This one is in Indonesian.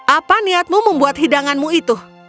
apa niatmu membuat hidanganmu itu